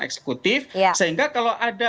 eksekutif sehingga kalau ada